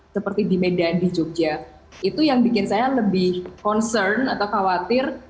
seperti di medan di jogja itu yang bikin saya lebih concern atau khawatir